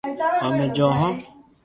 او مي جو ھون